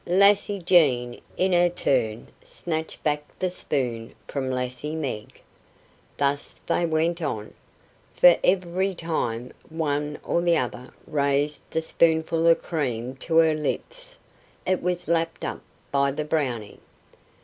Lassie Jean in her turn snatched back the spoon from Lassie Meg. Thus they went on, for every time one or the other raised the spoonful of cream to her lips it was lapped up by the Brownie.